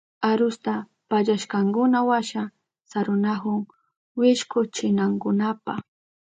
Arusta pallashkankunawasha sarunahun wishkuchinankunapa.